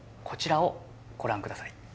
こちらをご覧ください。